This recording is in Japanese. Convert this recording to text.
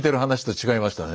違いましたか？